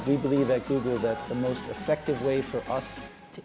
karena kita percaya di google bahwa cara terbaik untuk kita